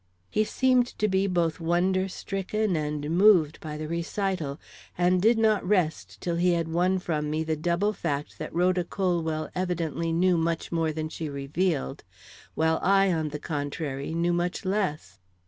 He seemed to be both wonder stricken and moved by the recital, and did not rest till he had won from me the double fact that Rhoda Colwell evidently knew much more than she revealed, while I, on the contrary, knew much less.